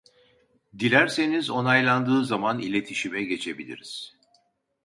Dilerseniz onaylandığı zaman iletişime geçebiliriz